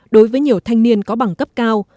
đối với nhiều thanh niên có bằng cấp cao